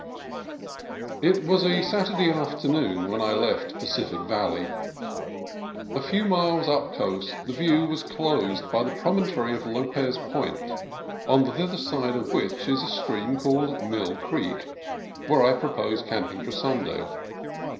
IT was a Saturday afternoon when I left Pacific Valley. A few miles up coast the view was closed by the promontory of Lopez Point, on the hither side of which is a stream called Mill Creek, where I proposed camping for Sunday.